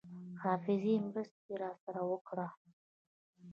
حافظې مرسته راسره وکړه.